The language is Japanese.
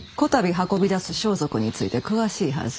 運び出す装束について詳しいはず。